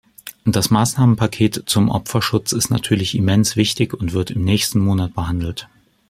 Das Maßnahmenpaket zum Opferschutz ist natürlich immens wichtig und wird im nächsten Monat behandelt.